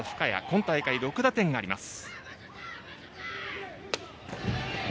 今大会６打点があります。